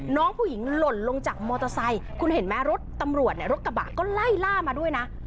น้องผู้หญิงหล่นลงจากมอเตอร์ไซค์คุณเห็นไหมรถตำรวจเนี่ยรถกระบะก็ไล่ล่ามาด้วยนะ